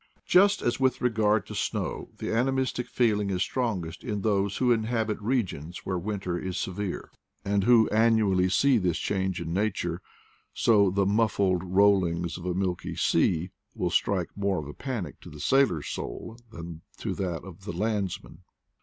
Just as with regard to snow the animistic feel ing is strongest in those who inhabit regions where winter is severe, and who annually see this change in nature, so the "muffled rollings of a milky sea" will strike more of panic to the sailor's soul than to that of the landsman.